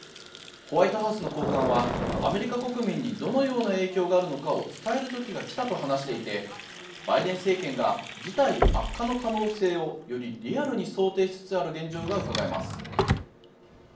ホワイトハウスの高官はアメリカ国民にどのような影響があるのかを伝える時が来たと話していてバイデン政権が事態悪化の可能性をよりリアルに想定しつつある現状がうかがえます。